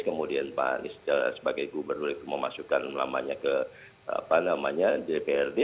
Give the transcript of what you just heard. kemudian pak anies sebagai gubernur itu memasukkan namanya ke dprd